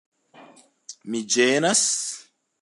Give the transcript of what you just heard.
Mi ĝenas.